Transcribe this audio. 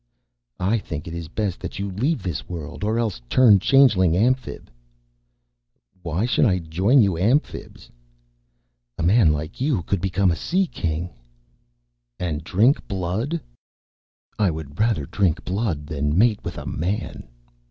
"I think it is best that you leave this world. Or else turn Changeling Amphib." "Why should I join you Amphibians?" "A man like you could become a Sea King." "And drink blood?" "I would rather drink blood than mate with a Man.